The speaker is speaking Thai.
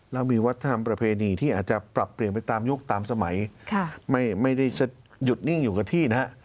แล้วมีวัฒนธรรมประเพณีที่อาจจะปรับเปลี่ยนไปตามยุคตามสมัยไม่ได้จะหยุดนิ่งอยู่กับที่นะฮะ